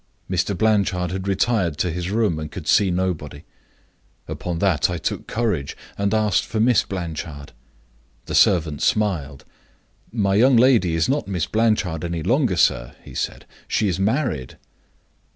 Mr. Blanchard had retired to his room, and could see nobody. Upon that I took courage, and asked for Miss Blanchard. The servant smiled. 'My young lady is not Miss Blanchard any longer, sir,' he said. 'She is married.